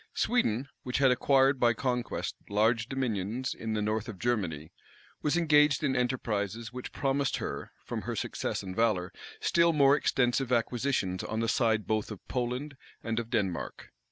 Sweden, which had acquired by conquest large dominions in the north of Germany, was engaged in enterprises which promised her, from her success and valor, still more extensive acquisitions on the side both of Poland and of Denmark.